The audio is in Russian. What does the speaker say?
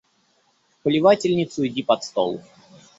В плевательницу или под стол.